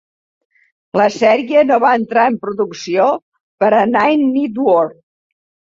La sèrie no va entrar en producció per a Nine Network.